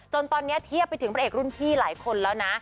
ตอนนี้เทียบไปถึงพระเอกรุ่นพี่หลายคนแล้วนะ